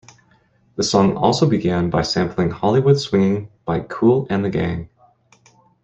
The song also began by sampling "Hollywood Swinging" by Kool and the Gang.